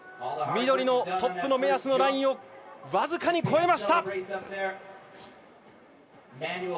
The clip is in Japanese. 緑のトップの目安のライン僅かに越えました。